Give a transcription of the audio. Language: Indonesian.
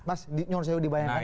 mas nyuruh saya dibayangkan ya